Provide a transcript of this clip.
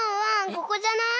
ここじゃない？